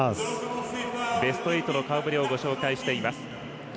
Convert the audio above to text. ベスト８の顔ぶれをご紹介しています。